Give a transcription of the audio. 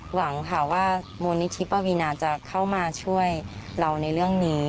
หวังค่ะว่ามูลนิธิปวีนาจะเข้ามาช่วยเราในเรื่องนี้